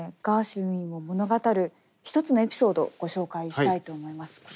ガーシュウィンを物語る一つのエピソードをご紹介したいと思います。